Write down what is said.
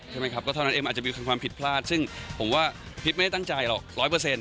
เท่านั้นเองมันอาจจะมีความผิดพลาดซึ่งผมว่าพลิกไม่ได้ตั้งใจหรอก